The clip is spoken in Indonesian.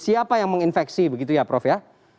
siapa yang menginfeksi begitu ya prof ya